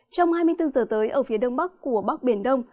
trong hai mươi bốn giờ tới ở phía đông bắc của bắc biển đông